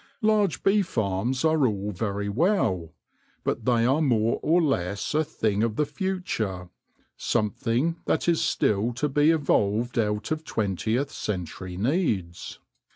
Large bee farms are all very well, but they are more or less a thing of the future — something that is still to be evolved out of twentieth century needs.